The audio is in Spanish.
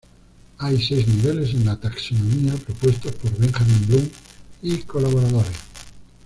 Hay seis niveles en la taxonomía propuesta por Benjamín Bloom y colaboradores.